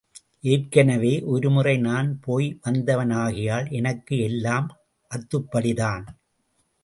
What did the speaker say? ஏற்கனவே ஒரு முறை நான் போய் வந்தவனாகையால் எனக்கு எல்லாம் அத்துபடிதான்!